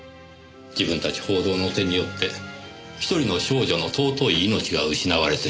自分たち報道の手によって１人の少女の尊い命が失われてしまった。